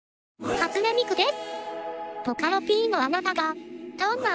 初音ミクです。